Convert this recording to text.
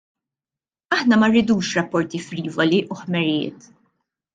Aħna ma rridux rapporti frivoli u ħmerijiet.